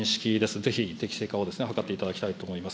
ぜひ適正化を図っていただきたいと思います。